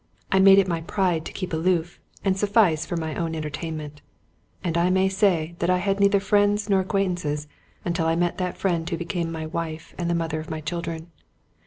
I made it my pride to keep aloof and suffice for my own entertain ment; and I may say that I had neither friends nor ac quaintances until I met that friend who became my wife and the mother of my children.